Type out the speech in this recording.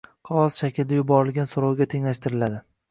qog‘oz shaklida yuborilgan so‘rovga tenglashtiriladi.